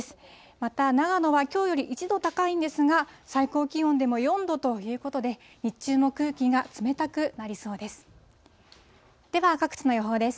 また長野はきょうより１度高いんですが、最高気温でも４度ということで、日中も空気が冷たくなりそうです。